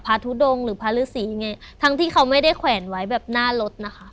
ทุดงหรือพระฤษียังไงทั้งที่เขาไม่ได้แขวนไว้แบบหน้ารถนะคะ